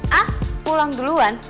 hah pulang duluan